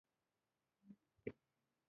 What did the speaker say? مرغۍ لاره چپه کړه.